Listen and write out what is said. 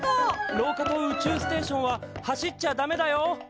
廊下と宇宙ステーションは走っちゃダメだよ！